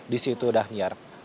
di situ sudah niat